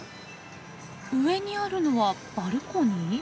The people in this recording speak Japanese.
上にあるのはバルコニー？